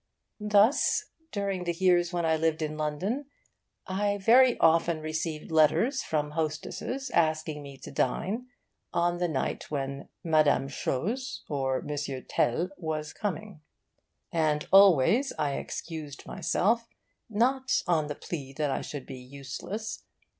Thus, during the years when I lived in London, I very often received letters from hostesses asking me to dine on the night when Mme. Chose or M. Tel was coming. And always I excused myself not on the plea that I should be useless.